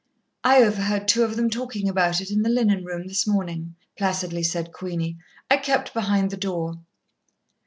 "I overheard two of them talking about it, in the linen room this morning," placidly said Queenie. "I kept behind the door."